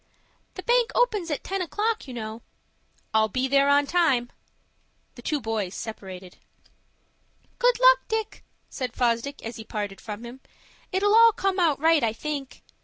"The bank opens at ten o'clock, you know." "I'll be there on time." The two boys separated. "Good luck, Dick," said Fosdick, as he parted from him. "It'll all come out right, I think."